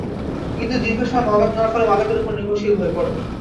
কিন্তু দীর্ঘ সময় মাদক নেওয়ায় ফলে মাদকের ওপর নির্ভরশীল হয়ে পড়েন।